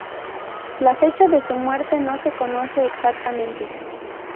La fecha de su muerte no se conoce exactamente.